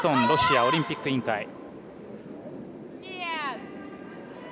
ロシアオリンピック委員会。